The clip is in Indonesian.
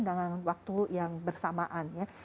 dalam waktu yang bersamaan ya